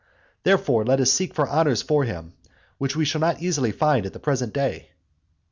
Therefore, let us seek for honours for him which we shall not easily find at the present day. XVII.